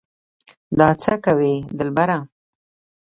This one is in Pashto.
دا څه کوې دلبره